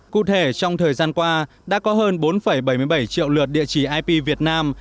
cụ thể trong thời gian qua đã có hơn bốn bảy mươi bảy triệu lượt địa chỉ ip việt nam